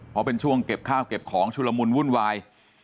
เพราะเป็นช่วงเก็บข้าวเก็บของชุลมุนวุ่นวาย